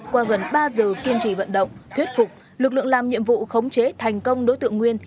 qua gần ba giờ kiên trì vận động thuyết phục lực lượng làm nhiệm vụ khống chế thành công đối tượng nguyên